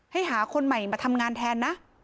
หาคนใหม่มาทำงานแทนนะ